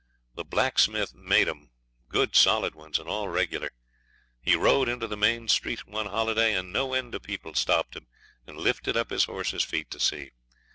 The blacksmith made 'em good solid ones, and all regular. He rode into the main street one holiday, and no end of people stopped him and lifted up his horse's feet to see.